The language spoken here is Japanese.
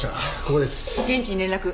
現地に連絡。